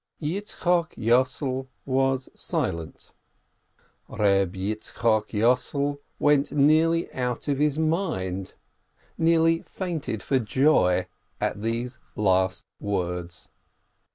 Yitzchok Yossel was silent, Reb Yitzchok Yossel went nearly out of his mind, nearly fainted for joy at these last words.